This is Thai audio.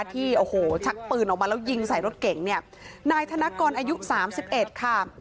ที่โอ้โหชักปืนออกมาแล้วยิงใส่รถเก่งเนี่ยนายธนกรอายุสามสิบเอ็ดค่ะ